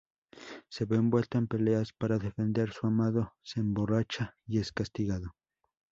Se ve envuelto en peleas para defender su amado, se emborracha y es castigado.